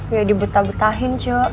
ya dibetah betahin cu